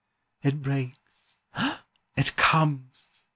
"It breaks! it comes!